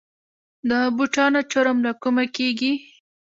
د بوټانو چرم له کومه کیږي؟